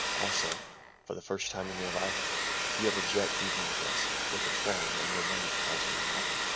Also, for the first time in your life, you have a jet evening dress with a train and your maid calls you "Madam."